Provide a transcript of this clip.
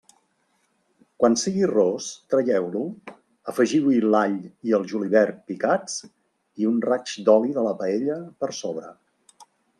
Quan sigui ros, traieu-lo, afegiu-hi l'all i el julivert picats i un raig d'oli de la paella per sobre.